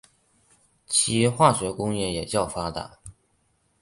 其化学工业也较发达。